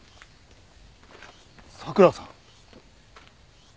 佐倉さん？